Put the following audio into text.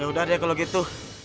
yaudah deh kalau gitu